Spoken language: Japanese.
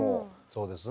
そうですね。